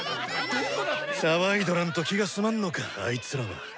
騒いどらんと気が済まんのかアイツらは。